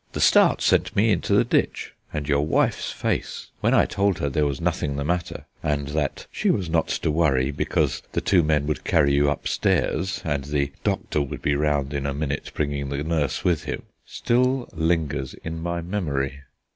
The start sent me into the ditch; and your wife's face, when I told her there was nothing the matter and that she was not to worry, because the two men would carry you upstairs, and the doctor would be round in a minute bringing the nurse with him, still lingers in my memory."